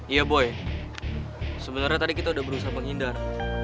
iya boy sebenernya tadi kita udah berusaha menghindar